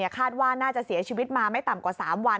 คาดว่าน่าจะเสียชีวิตมาไม่ต่ำกว่า๓วัน